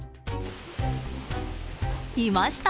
いました！